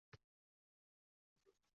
Yosh yigit dengizda chõkib ketdi